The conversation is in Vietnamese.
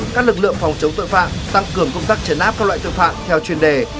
các lực lượng phòng chống tội phạm tăng cường công tác chấn áp các loại tội phạm theo chuyên đề